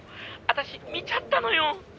私見ちゃったのよ！」